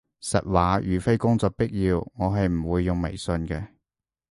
實話，如非工作必要，我係唔會用微信嘅